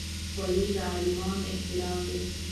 خولۍ د عالمانو احترام دی.